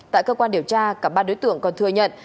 tại cơ quan điều tra cả ba đối tượng còn thừa nhận